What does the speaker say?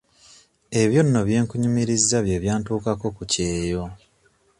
Ebyo nno bye nkunyumirizza bye byantuukako ku kyeyo.